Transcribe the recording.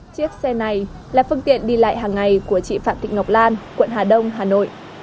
chiếc xe này là phương tiện đi lại hàng ngày của chị phạm thị ngọc lan quận hà đông hà nội